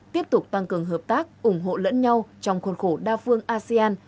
tiếp tục tăng cường hợp tác ủng hộ lẫn nhau trong khuôn khổ đa phương asean